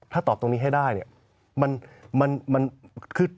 ถ้าตอบตรงนี้ให้ได้